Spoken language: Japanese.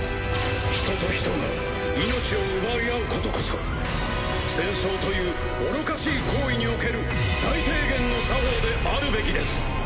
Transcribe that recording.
人と人が命を奪い合うことこそ戦争という愚かしい行為における最低限の作法であるべきです。